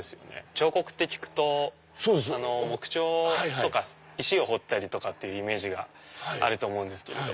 彫刻って聞くと木彫とか石を彫ったりとかってイメージがあると思うんですけれど。